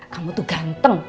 kamu tuh ganteng